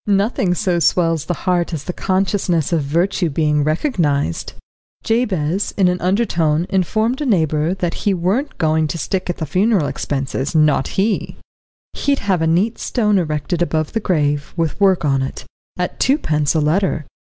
Nothing so swells the heart as the consciousness of virtue being recognised. Jabez in an undertone informed a neighbour that he weren't goin' to stick at the funeral expenses, not he; he'd have a neat stone erected above the grave with work on it, at twopence a letter.